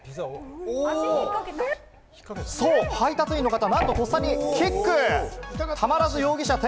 そう、配達員の方がなんと、とっさにキック！